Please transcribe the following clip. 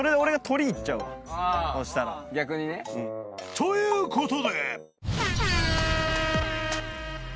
［ということで］